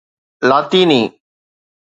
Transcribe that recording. لاطيني